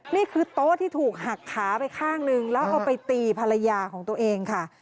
นี่คือโต๊ะที่ถูกหักขาไปข้างนึงแล้วเอาไปตีภรรยาของตัวเองค่ะ